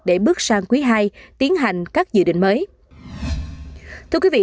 để bước sang quý ii tiến hành các dự định mới